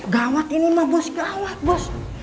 gawat ini mah bos